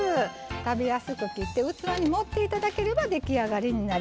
食べやすく切って器に盛って頂ければ出来上がりになります。